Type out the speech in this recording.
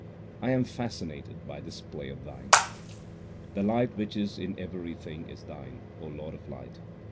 I am fascinated by this play of Thine. The light which is in everything is Thine, O Lord of light.